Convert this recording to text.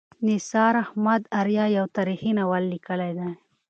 نثار احمد آریا یو تاریخي ناول لیکلی دی.